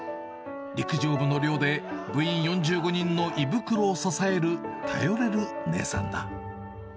陸上部の寮で部員４５人の胃袋を支える頼れる姉さんだ。